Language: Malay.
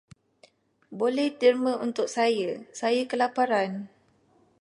Boleh derma untuk saya, saya kelaparan.